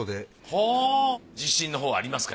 はぁ自信のほうはありますか？